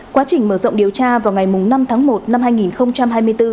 quá trình mở rộng điều tra vào ngày năm tháng một năm hai nghìn hai mươi bốn